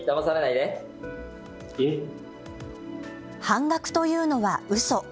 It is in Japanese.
半額というのはうそ。